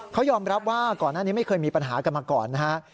เขายอมรับว่าก่อนหน้านี้ไม่เคยมีปัญหากันมาก่อนนะฮะ